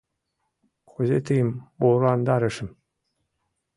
Кузе тыйым орландарышым?